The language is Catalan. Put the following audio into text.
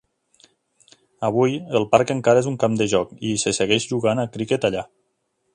Avui, el parc encara és un camp de joc i se segueix jugant a criquet allà.